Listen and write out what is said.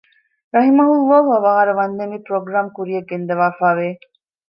ރަޙިމަހު ﷲ އަވަހާރަވަންދެން މި ޕްރޮގްރާމް ކުރިއަށް ގެންދަވާފައި ވެ